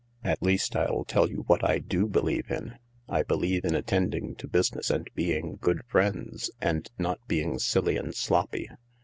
" At least I'll tell you what I do believe in. I believe in attending to business and being good friends, and not being silly and sloppy.